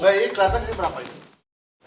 keliatannya berapa ini